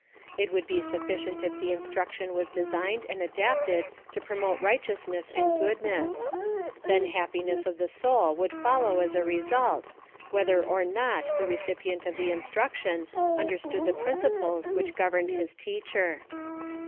It would be sufficient if the instruction v^as designed and adapted to promote righteousness and goodness : then happiness of the soul would follow as a result, whether or not the recipient of the instruction understood the principles which governed his teacher.